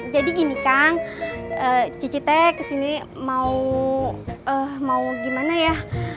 jadi gini kang cici teh kesini mau gimana ya